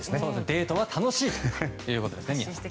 デートは楽しいということですね。